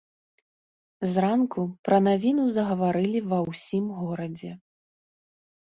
Зранку пра навіну загаварылі ва ўсім горадзе.